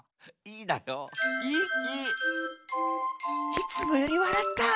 「いつもよりわらった」。